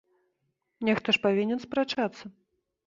Нехта ж павінен спрачацца!